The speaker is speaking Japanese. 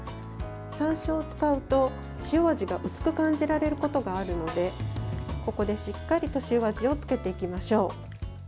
さんしょうを使うと塩味が薄く感じられることがあるのでここでしっかりと塩味を付けていきましょう。